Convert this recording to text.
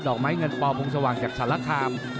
ดอกไม้เงินปลอมมุมสว่างจากสรรคาร์ม